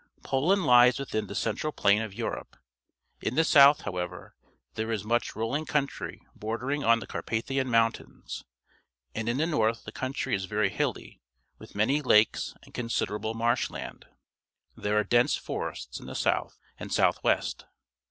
— Poland lies within the central plain of Europe. In the south, however, there is much rolling country bordering on the Carpathian Mountains, and in the north the country is very hilly, nith many lakes and considerable marsh land. There are dense forests in the south and south west.